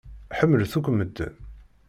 Ḥemmlet akk medden.